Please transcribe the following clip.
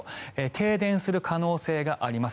停電する可能性があります。